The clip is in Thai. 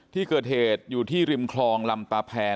ที่เกิดเหตุอยู่ที่ริมคลองลำตาแพร